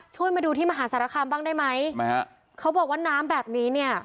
มาดูที่มหาสารคามบ้างได้ไหมฮะเขาบอกว่าน้ำแบบนี้เนี่ย